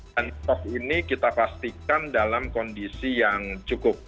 dan stok ini kita pastikan dalam kondisi yang cukup